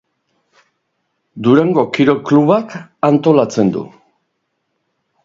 Durango Kirol Klubak antolatzen du.